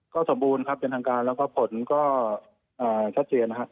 ก็สมบูรณ์ครับเป็นทางการแล้วก็ผลก็ชัดเจนนะครับ